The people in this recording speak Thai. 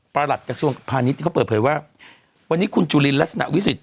หลัดกระทรวงพาณิชย์เขาเปิดเผยว่าวันนี้คุณจุลินลักษณะวิสิทธ